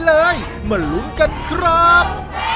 หนึ่งล้านหนึ่งล้านหนึ่งล้าน